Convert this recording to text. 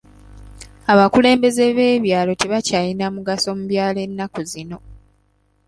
Abakulembeze b'ebyalo tebakyalina mugaso mu byalo ennaku zino.